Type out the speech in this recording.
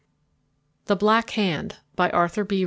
II THE BLACK HAND ARTHUR B.